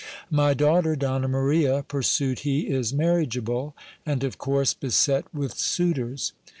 My daughter, Donna Maria, pursued he, is marriageable, and of course beset with suitors.